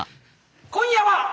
「今夜は」！